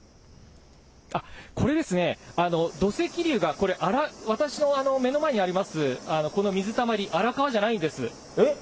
これですね、土石流が、これ、私の目の前にあります、この水たまり、荒川じゃないんです。